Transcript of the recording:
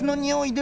で